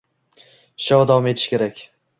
Shou davom etishi kerak.